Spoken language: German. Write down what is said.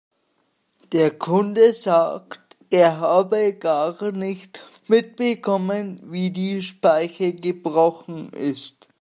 Der Kunde sagt, er habe gar nicht mitbekommen, wie die Speiche gebrochen ist.